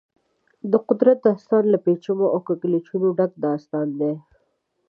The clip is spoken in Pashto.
د قدرت داستان له پېچومو او کږلېچونو ډک داستان دی.